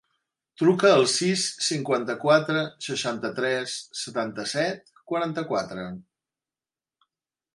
Truca al sis, cinquanta-quatre, seixanta-tres, setanta-set, quaranta-quatre.